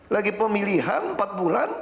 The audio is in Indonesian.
lagi pemilihan empat bulan